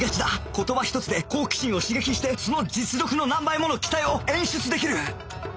言葉一つで好奇心を刺激してその実力の何倍もの期待を演出できる！